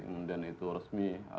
kemudian itu resmi hasil dari prosesnya